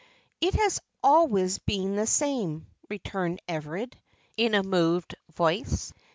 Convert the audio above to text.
"It has always been the same," returned Everard, in a moved voice.